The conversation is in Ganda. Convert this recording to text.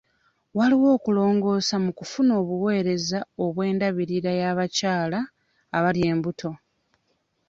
Waliwo okulongoosa mu kufuna obuweereza obw'endabirira y'abakyala abali embuto.